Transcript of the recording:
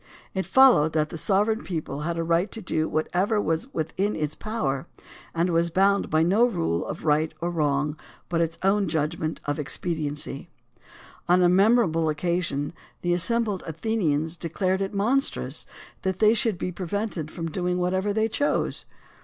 It followed that the sovereign people had a right to do what ever was within its power, and was bound by no rule of right or wrong but its own judgment of expediency. On a memorable occasion the assembled Athenians declared it monstrous that they should be prevented from doing whatever they chose.